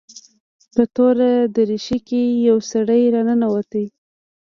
په توره دريشي کښې يو سړى راننوت.